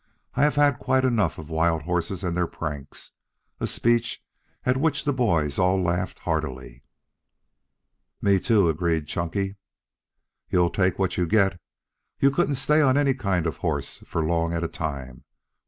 "I have had quite enough of wild horses and their pranks," a speech at which the boys all laughed heartily. "Me too," agreed Chunky. "You'll take what you get. You couldn't stay on any kind of horse for long at a time.